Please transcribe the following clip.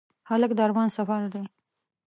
هلک د ارمان سفر دی.